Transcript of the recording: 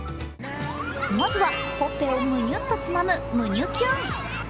まずは、ほっぺをむにゅっとつまむ、むにゅキュン。